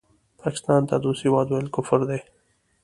پاکستان ته دوست هېواد وویل کفر دی